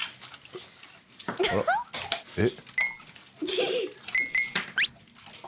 えっ？